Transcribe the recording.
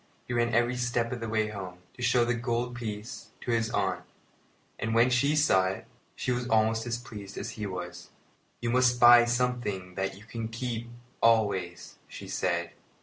He ran every step of the way home, to show the gold piece to his aunt; and, when she saw it, she was almost as pleased as he was. "You must buy something that you can keep always," she said.